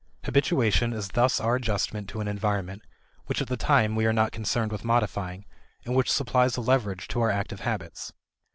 Habituation is thus our adjustment to an environment which at the time we are not concerned with modifying, and which supplies a leverage to our active habits.